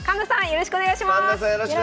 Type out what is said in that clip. よろしくお願いします。